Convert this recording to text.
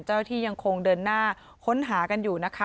ที่ยังคงเดินหน้าค้นหากันอยู่นะคะ